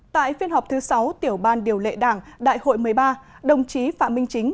tại phiên họp thứ sáu tiểu ban điều lệ đảng đại hội một mươi ba đồng chí phạm minh chính